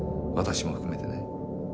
私も含めてね